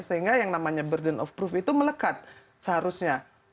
sehingga yang namanya burden of proof itu melekat seharusnya